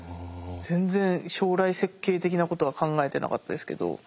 全然将来設計的なことは考えてなかったですけど。